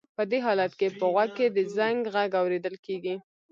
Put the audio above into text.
په دې حالت کې په غوږ کې د زنګ غږ اورېدل کېږي.